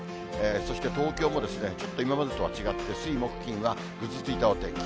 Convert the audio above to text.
そして東京も、ちょっと今までとは違って、水、木、金はぐずついたお天気。